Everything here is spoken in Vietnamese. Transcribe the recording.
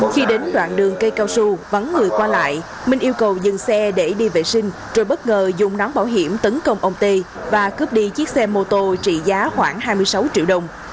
khi đến đoạn đường cây cao su vắng người qua lại minh yêu cầu dừng xe để đi vệ sinh rồi bất ngờ dùng nón bảo hiểm tấn công ông tê và cướp đi chiếc xe mô tô trị giá khoảng hai mươi sáu triệu đồng